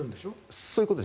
そういうことです。